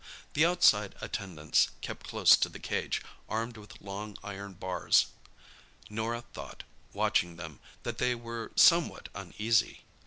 The outside attendants kept close to the cage, armed with long iron bars. Norah thought, watching them, that they were somewhat uneasy.